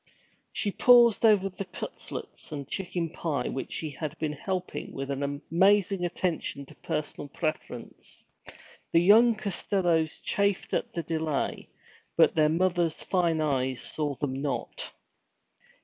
She paused over the cutlets and the chicken pie, which she had been helping with an amazing attention to personal preference. The young Costellos chafed at the delay, but their mother's fine eyes saw them not.